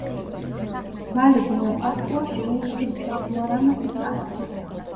ვალე-დე-ლა-პასკუა შეუერთეს ჩაგუარამასის კანტონს.